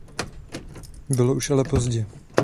Bylo už ale pozdě.